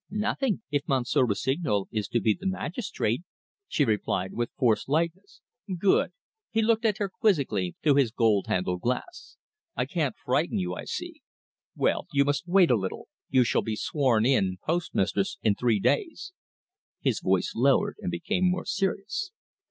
"Nothing, if Monsieur Rossignol is to be the magistrate," she replied, with forced lightness. "Good!" He looked at her quizzically through his gold handled glass. "I can't frighten you, I see. Well, you must wait a little; you shall be sworn in postmistress in three days." His voice lowered, became more serious.